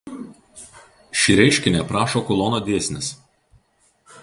Šį reiškinį aprašo Kulono dėsnis.